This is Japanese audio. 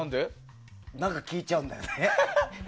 何か、聞いちゃうんだよね。